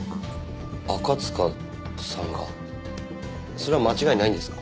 それは間違いないんですか？